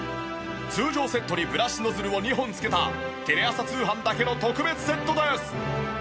通常セットにブラシノズルを２本付けたテレ朝通販だけの特別セットです。